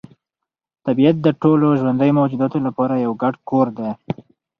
طبیعت د ټولو ژوندیو موجوداتو لپاره یو ګډ کور دی.